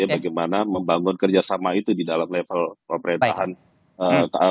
bagaimana membangun kerjasama itu di dalam level pemerintahan